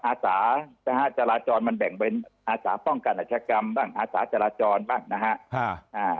อาสานะฮะจราจรมันแบ่งเป็นอาสาป้องกันอาชกรรมบ้างอาสาจราจรบ้างนะฮะ